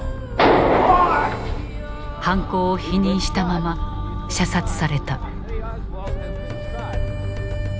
犯行を否認したまま射殺された。